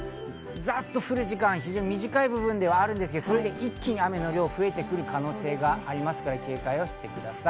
ざっと降る時間、非常に短い部分ではありますが、一気に雨の量が増える可能性がありますから警戒してください。